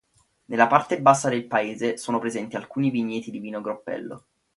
Nella parte bassa del paese sono presenti alcuni vigneti di vino groppello.